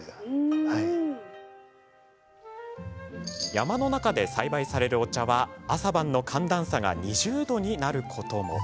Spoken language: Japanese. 山の中で栽培されるお茶は朝晩の寒暖差が２０度になることも。